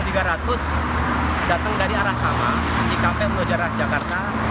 datang dari arah sana cikampek menuju arah jakarta